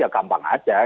ya gampang saja